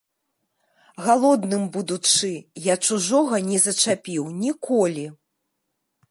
Галодным будучы, я чужога не зачапіў ніколі.